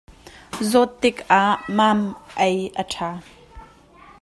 Zawt tikah mam ei a ṭha.